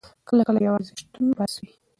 کله کله یوازې شتون بس وي.